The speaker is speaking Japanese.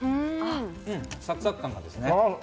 サクサク感がですね。